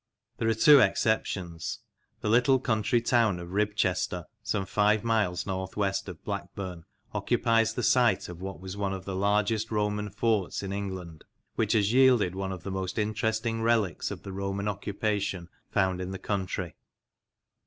There are two exceptions. The little country town of Ribchester, some five miles north west of Blackburn, occupies the site of what was one of the largest Roman forts in England, which has yielded one of the most interesting relics of the Roman occupation found in the country.